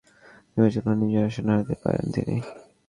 নির্বাচন হলে নিজের আসন হারাতে পারেন তিনি।